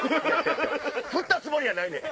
ふったつもりやないねん。